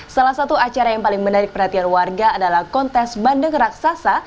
salah satu acara yang paling menarik perhatian warga adalah kontes bandeng raksasa